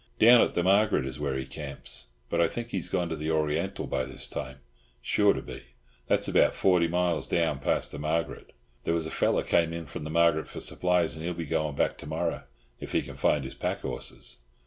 "Down at the Margaret is where he camps, but I think he's gone to the Oriental by this time—sure to be. That's about forty miles down past the Margaret. There was a fellow came in from the Margaret for supplies, and he'll be going back to morrow—if he can find his pack horses."